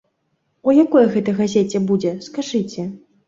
У якой гэта газеце будзе, скажыце?